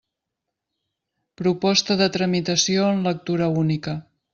Proposta de tramitació en lectura única.